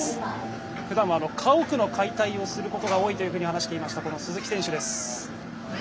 ふだんは家屋の解体をすることが多いというふうに話していましたこの鈴木選手です。